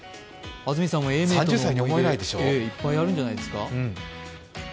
安住さんも永明との思い出、いっぱいあるんじゃないですか？